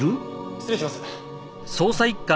失礼します。